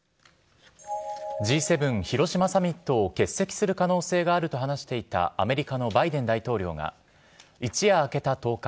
Ｇ７広島サミットを欠席する可能性があると話していたアメリカのバイデン大統領が一夜明けた１０日